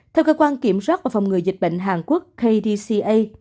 theo cơ quan kiểm soát và phòng ngừa dịch bệnh hàn quốc kdca